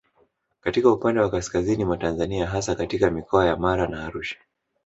Katika upande wa kaskazini mwa Tanzania hasa katika Mikoa ya Mara na Arusha